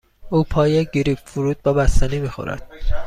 او پای گریپ فروت با بستنی می خورد.